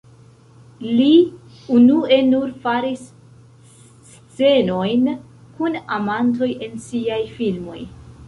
Lee unue nur faris scenojn kun amantoj en siaj filmoj.